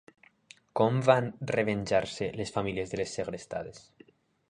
Com van revenjar-se les famílies de les segrestades?